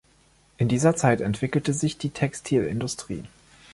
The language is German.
In dieser Zeit entwickelte sich die Textilindustrie.